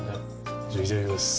じゃあいただきます。